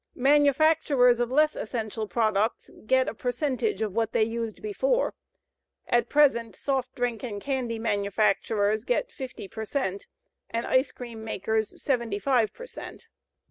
Manufacturers of less essential products get a percentage of what they used before at present soft drink and candy manufacturers get 50 per cent and ice cream makers 75 per cent.